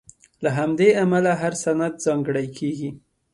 له همدې امله هر سند ځانګړی کېږي.